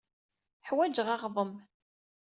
Ḥwajeɣ aɣḍem.